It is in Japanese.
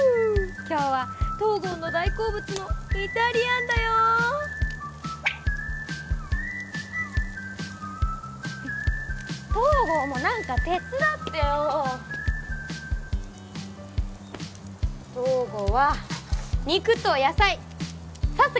今日は東郷の大好物のイタリアンだよ東郷も何か手伝ってよ東郷は肉と野菜刺す